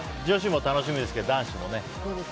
女子も楽しみですけど、男子もね。